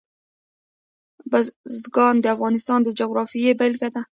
بزګان د افغانستان د جغرافیې بېلګه ده.